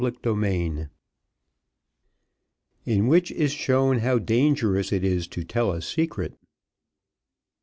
Chapter XLI In which is shown how dangerous it is to tell a secret.